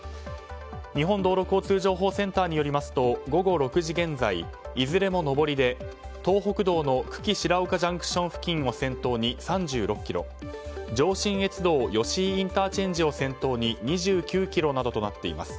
日本道路交通情報センターによりますと午後６時現在、いずれも上りで東北道の久喜白岡ＪＣＴ付近を先頭に３６ｋｍ上信越道吉井ＩＣを先頭に２９ｋｍなどとなっています。